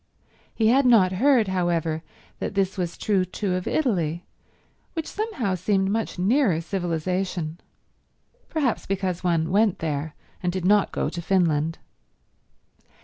He had not heard, however, that this was true too of Italy, which somehow seemed much nearer civilization—perhaps because one went there, and did not go to Finland.